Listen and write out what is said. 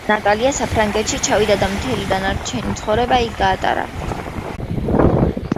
ნატალია საფრანგეთში ჩავიდა და მთელი დარჩენილი ცხოვრება იქ გაატარა.